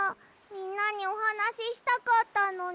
みんなにおはなししたかったのに。